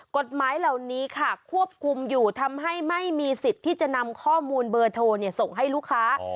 กฎหมายเหล่านี้ค่ะควบคุมอยู่ทำให้ไม่มีสิทธิ์ที่จะนำข้อมูลเบอร์โทรส่งให้ลูกค้า